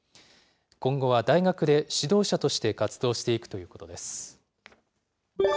今後は大学で、指導者として活動していくということです。